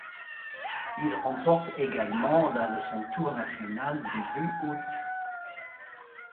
Il remporte également la de son tour national début août.